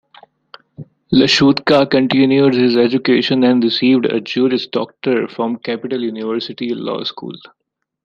Lashutka continued his education and received a Juris Doctor from Capital University Law School.